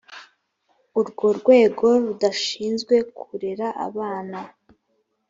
urwo rwego rudashinzwe kurera abana